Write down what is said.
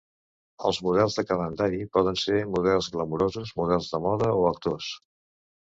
Els models de calendari poden ser models glamurosos, models de moda o actors.